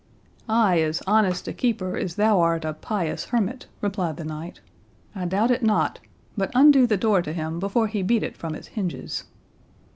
"Ay, as honest a keeper as thou art a pious hermit," replied the knight, "I doubt it not. But undo the door to him before he beat it from its hinges."